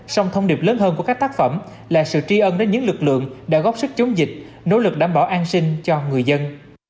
song thông điệp lớn hơn của các tác phẩm là sự tri ân đến những lực lượng đã góp sức chống dịch nỗ lực đảm bảo an sinh cho người dân